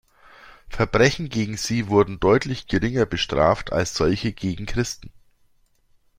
Verbrechen gegen sie wurden deutlich geringer bestraft als solche gegen Christen.